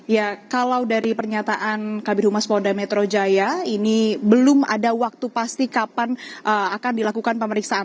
ya kalau dari pernyataan kabir humas polda metro jaya ini belum ada waktu pasti kapan akan dilakukan pemeriksaan